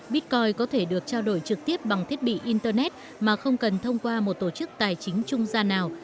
bitcoin có thể được trao đổi trực tiếp bằng thiết bị internet mà không cần thông qua một tổ chức tài chính trung gia nào